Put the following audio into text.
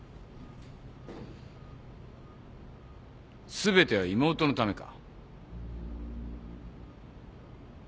全ては妹のためか？